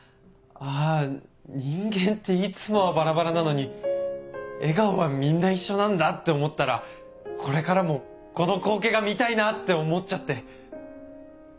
あ人間っていつもはバラバラなのに笑顔はみんな一緒なんだって思ったらこれからもこの光景が見たいなって思っちゃって。